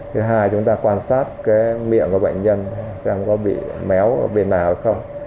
thứ hai chúng ta quan sát miệng của bệnh nhân xem có bị méo bên nào hay không